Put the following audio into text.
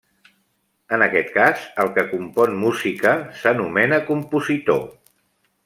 En aquest cas el que compon música s'anomena compositor.